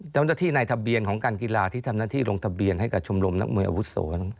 เจ้าหน้าที่ในทะเบียนของการกีฬาที่ทำหน้าที่ลงทะเบียนให้กับชมรมนักมวยอาวุโส